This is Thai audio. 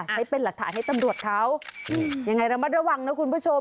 ใช้เป็นหลักฐานให้ตำรวจเขายังไงระมัดระวังนะคุณผู้ชม